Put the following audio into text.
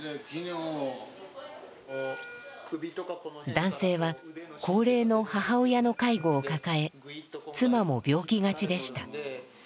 男性は高齢の母親の介護を抱え妻も病気がちでした。